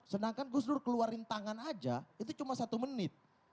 sedangkan gus dur keluarin tangan aja itu cuma satu menit